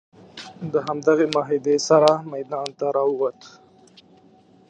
د همدغې معاهدې سره میدان ته راووت.